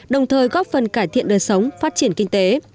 đồng thời góp phần cải thiện đời sống phát triển kinh tế